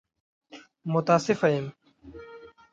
متاسفه يم!